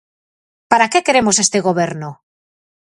Para que queremos este goberno?